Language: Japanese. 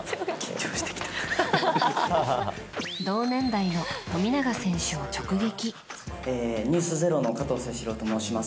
同年代の富永選手を直撃。